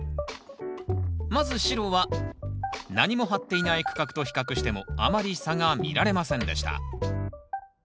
まず白は何も張っていない区画と比較してもあまり差が見られませんでした。